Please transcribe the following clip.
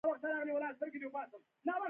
خو يوازې شاعران او اديبان هغه خلق دي